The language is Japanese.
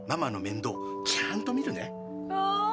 わあ。